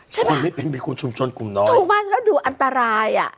ใช่ไหมไม่เป็นชุมชนกลุ่มน้อยถูกมากแล้วดูอันตรายอ่ะ